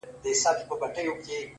• ځوان د تکي زرغونې وني نه لاندي ـ